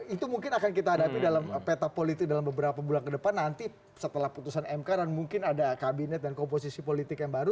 itu mungkin akan kita hadapi dalam peta politik dalam beberapa bulan ke depan nanti setelah putusan mk dan mungkin ada kabinet dan komposisi politik yang baru